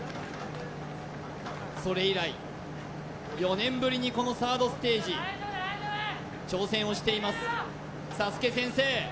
それ以来４年ぶりにこのサードステージ挑戦をしていますサスケ先生